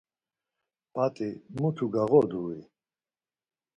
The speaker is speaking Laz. p̌at̆i mutu gağodu-i?